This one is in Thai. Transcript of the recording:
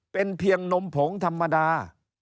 เป็นเพียงนมผงธรรมดา